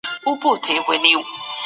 روښانه فکر بریالیتوب نه ځنډوي.